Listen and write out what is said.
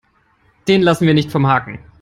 Den lassen wir nicht vom Haken.